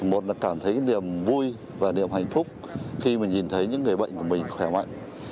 một là cảm thấy niềm vui và niềm hạnh phúc khi mà nhìn thấy những người bệnh của mình khỏe mạnh